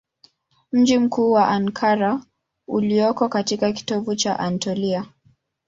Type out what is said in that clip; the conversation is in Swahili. Mji mkuu ni Ankara ulioko katika kitovu cha Anatolia.